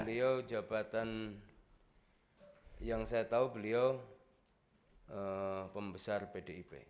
beliau jabatan yang saya tahu beliau pembesar pdip